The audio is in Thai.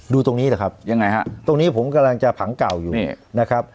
ดูตรงนี้เหรอครับตรงนี้ผมกำลังจะผังเก่าอยู่นะครับ